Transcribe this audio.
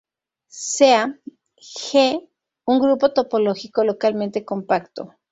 Sea "G" un grupo topológico localmente compacto.